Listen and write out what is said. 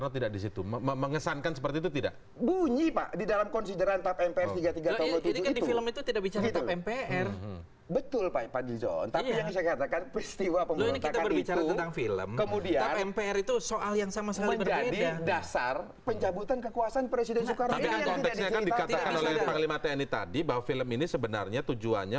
yang mengeluarkan keputusan tentang mahmilub itu